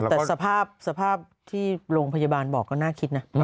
แต่สภาพที่โรงพยาบาลบอกก็น่าคิดนะ